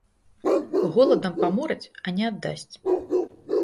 Голадам паморыць, а не аддасць.